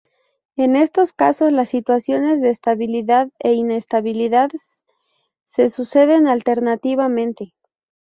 En estos casos las situaciones de estabilidad e inestabilidad se suceden alternativamente.